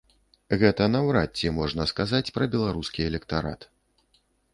Гэта наўрад ці можна сказаць пра беларускі электарат.